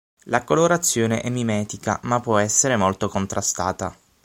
La colorazione è mimetica ma può essere molto contrastata.